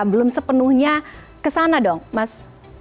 belum sepenuhnya ke sana dong mas